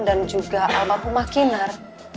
dan juga almarhumah kinar